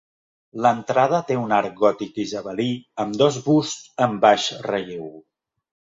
L'entrada té un arc gòtic isabelí amb dos busts en baix relleu.